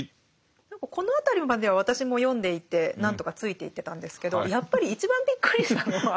何かこの辺りまでは私も読んでいて何とかついていってたんですけどやっぱり一番びっくりしたのは。